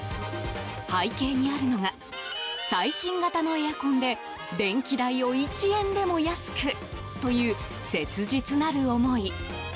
背景にあるのが最新型のエアコンで、電気代を１円でも安くという切実なる思い。